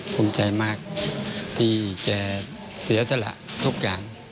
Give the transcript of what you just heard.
ภูมิใจมากที่แกเสียสละทุกอย่าง